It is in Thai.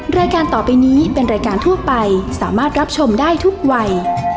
รายการต่อไปนี้เป็นรายการทั่วไปสามารถรับชมได้ทุกวัย